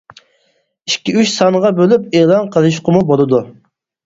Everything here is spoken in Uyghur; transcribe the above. ئىككى-ئۈچ سانغا بۆلۈپ ئېلان قىلىشقىمۇ بولىدۇ.